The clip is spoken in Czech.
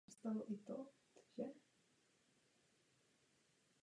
Tito občané se většinou živili jako drobní obchodníci.